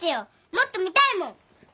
もっと見たいもん。